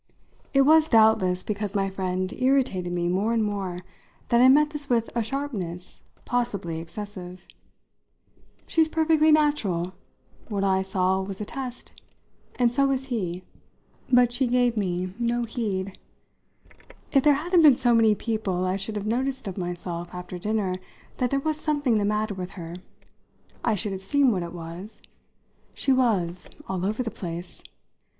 It was doubtless because my friend irritated me more and more that I met this with a sharpness possibly excessive. "She's perfectly natural. What I saw was a test. And so is he." But she gave me no heed. "If there hadn't been so many people I should have noticed of myself after dinner that there was something the matter with her. I should have seen what it was. She was all over the place."